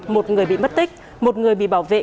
một người bị mất tích một người bị bảo vệ